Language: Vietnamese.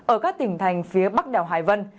ở các tỉnh thành phía bắc đảo hải vân